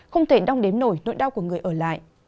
không thể đong đếm nổi nỗi đau của người ở lại